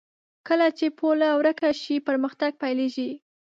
کله چې پوله ورکه شي، پرمختګ پيلېږي.